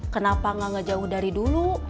kenapa gak jauh dari dulu